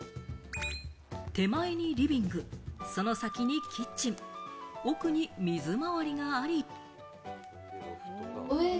手前にリビング、その先にキッチン、奥に水回りがあり。